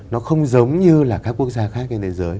nó không giống như là các quốc gia khác trên thế giới